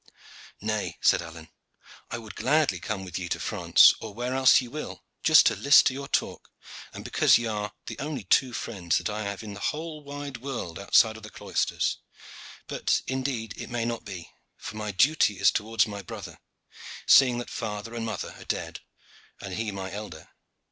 "Nay," said Alleyne, "I would gladly come with ye to France or where else ye will, just to list to your talk, and because ye are the only two friends that I have in the whole wide world outside of the cloisters; but, indeed, it may not be, for my duty is towards my brother, seeing that father and mother are dead, and he my elder.